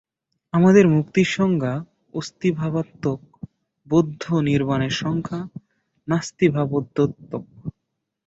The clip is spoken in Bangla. আমাদের মুক্তির সংজ্ঞা অস্তিভাবাত্মক, বৌদ্ধ নির্বাণের সংজ্ঞা নাস্তিভাবদ্যোতক।